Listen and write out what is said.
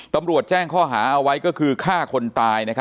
ตำรวจแจ้งข้อหาเอาไว้ก็คือฆ่าคนตาย